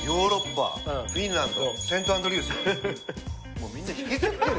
もうみんな引きつってるよ。